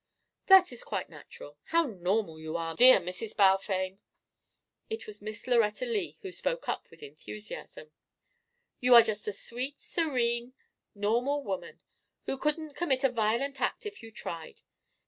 "That is quite natural. How normal you are, dear Mrs. Balfame!" It was Miss Lauretta Lea who spoke up with enthusiasm. "You are just a sweet, serene, normal woman who couldn't commit a violent act if you tried.